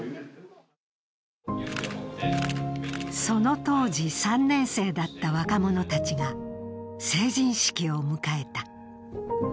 その当時３年生だった若者たちが成人式を迎えた。